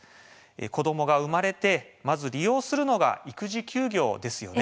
子どもが生まれてまず利用するのが育児休業ですよね。